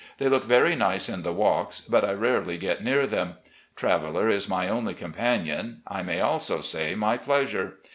They look very nice in the walks, but I rarely get near them. Traveller is my only companion; I may also say my pleasure.